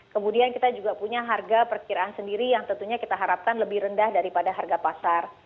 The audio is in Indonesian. kemudian kita juga punya harga perkiraan sendiri yang tentunya kita harapkan lebih rendah daripada harga pasar